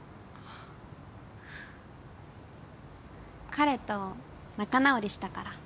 彼と仲直りしたから。